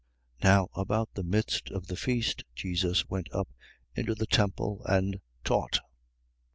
7:14. Now, about the midst of the feast, Jesus went up into the temple and taught.